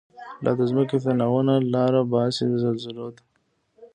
لا دځمکی تناوونه، لاره باسی زلزلوته